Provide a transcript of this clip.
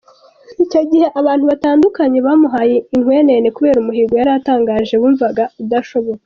Icyo gihe abantu batandukanye bamuhaye inkwenene kubera umuhigo yari atangaje bumvaga utashoboka.